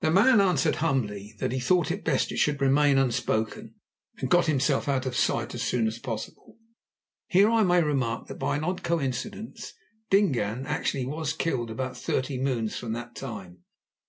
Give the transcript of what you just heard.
The man answered humbly that he thought it best it should remain unspoken, and got himself out of sight as soon as possible. Here I may remark that by an odd coincidence Dingaan actually was killed about thirty moons from that time.